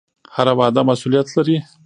هره وعده مسوولیت لري